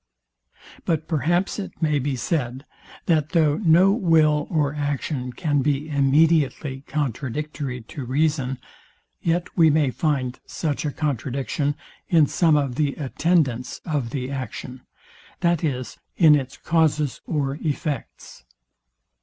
But perhaps it may be said, that though no will or action can be immediately contradictory to reason, yet we may find such a contradiction in some of the attendants of the action, that is, in its causes or effects.